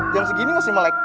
jam segini masih melek